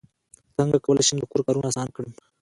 څنګه کولی شم د کور کارونه اسانه کړم